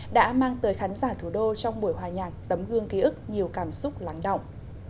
đã mang tới khán giả thủ đô trong buổi hòa nhạc tấm gương ký ức nhiều cảm xúc lắng động